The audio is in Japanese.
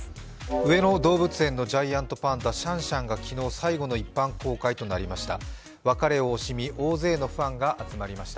上野動物園のジャイアントパンダ、シャンシャンが昨日、最後の一般公開となりました。